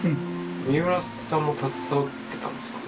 三浦さんも携わってたんですか？